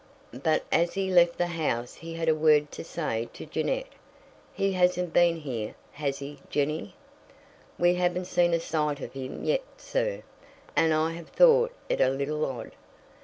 But as he left the house he had a word to say to Jeannette. "He hasn't been here, has he, Jenny?" "We haven't seen a sight of him yet, sir, and I have thought it a little odd."